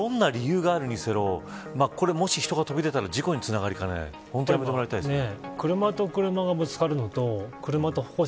どんな理由があるにせよもし、人飛び出たら事故につながりかねない本当にやめてもらいたいですね。